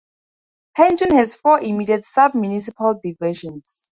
Panjin has four immediate sub-municipal divisions.